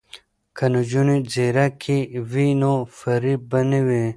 که نجونې ځیرکې وي نو فریب به نه وي.